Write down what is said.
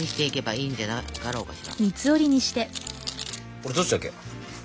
これどっちだっけ？